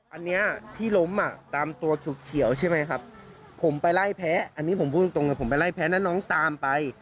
อันนี้ที่ล้มอ่ะตามตัวเขียวใช่ไหมครับผมไปไล่แพ้อันนี้ผมพูดตรงเลยผมไปไล่แพ้แล้วน้องตามไป